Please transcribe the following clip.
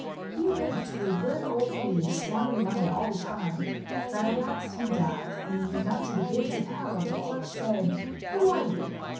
He lived to a good old age, squandering money all the time, but at last he died, and when he got to the gates of hell the clerk said, "Who are you?"